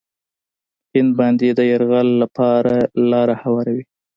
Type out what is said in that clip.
هند باندې د یرغل لپاره لاره هواروي.